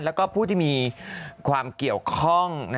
แล้วก็ผู้ที่มีความเกี่ยวข้อง